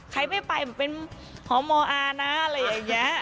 ใครไม่ไปเหมือนเป็นฮมอนะอะไรอย่างเงี้ย